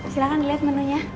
silahkan liat menu nya